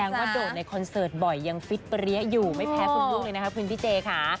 ว่าโดดในคอนเสิร์ตบ่อยยังฟิตเปรี้ยอยู่ไม่แพ้คุณลูกเลยนะคะคุณพี่เจค่ะ